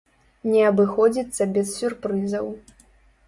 Не абыходзіцца без сюрпрызаў.